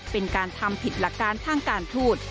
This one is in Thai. เป็นการทำผิดหลักการทางการทูต